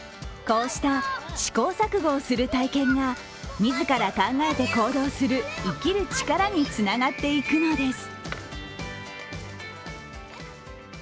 こうした試行錯誤をする体験が自ら考えて行動する生きる力につながっていくのです。